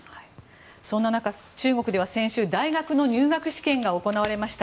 そんな中、中国では先週大学の入学試験が行われました。